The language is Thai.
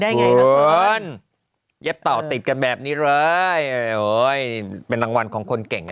ได้ไงครับเย็บต่อติดกันแบบนี้เลยโอ้ยเป็นรางวัลของคนเก่ง